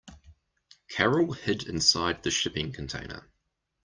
Carol hid inside the shipping container.